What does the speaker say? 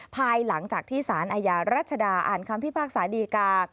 ภายหลังจากที่สารอาญารัชดาอ่านคำพิพากษาดีกา